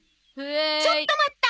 ちょっと待った！